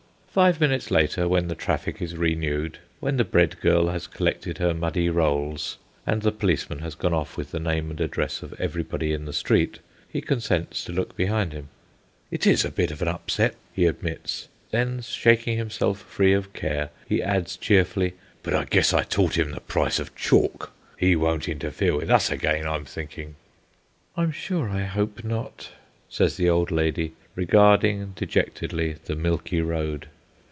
Five minutes later, when the traffic is renewed, when the bread girl has collected her muddy rolls, and the policeman has gone off with the name and address of everybody in the street, he consents to look behind him. "It is a bit of an upset," he admits. Then shaking himself free of care, he adds, cheerfully, "But I guess I taught him the price of chalk. He won't interfere with us again, I'm thinking." "I'm sure I hope not," says the old lady, regarding dejectedly the milky road.